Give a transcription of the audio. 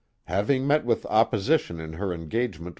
Having met with opposition in her engagement mdh.